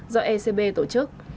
do scb tổ chức